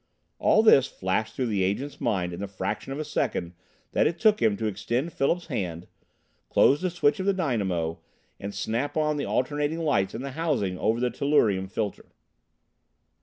All this flashed through the Agent's mind in the fraction of a second that it took him to extend Philip's hand, close the switch of the dynamo, and snap on the alternating lights in the housing over the tellurium filter.